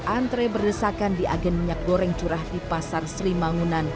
antre berdesakan di agen minyak goreng curah di pasar sri mangunan